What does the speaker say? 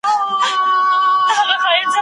سوله د پرمختګ لپاره تر ټولو اړين شرط دی.